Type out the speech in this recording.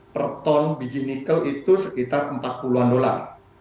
per ton biji nikel itu sekitar empat puluh an dolar